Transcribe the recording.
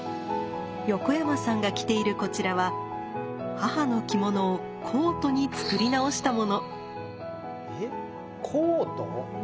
横山さんが着ているこちらは母の着物をコートに作り直したもの。えコート？